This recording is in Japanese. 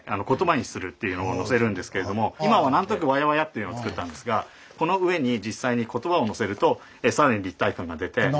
言葉にするっていうのをのせるんですけれども今は何となくワヤワヤっていうのを作ったんですがこの上に実際に言葉をのせると更に立体感が出て。